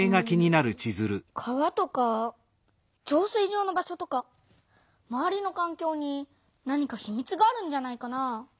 川とか浄水場の場所とかまわりのかんきょうに何かひみつがあるんじゃないかな？